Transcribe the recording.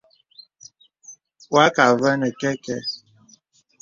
Wà àkə avɛ nə kɛ̄kɛ.